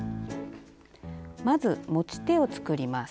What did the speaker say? まず持ち手を作ります。